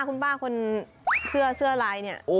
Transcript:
คุณป้าคนเสื้ออะไร